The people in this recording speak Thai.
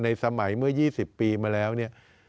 สมัยเมื่อ๒๐ปีมาแล้วเนี่ย